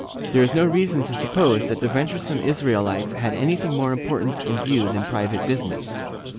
^ There is no reason to suppose that the venturesome Israelites had any thing more important in view than private business.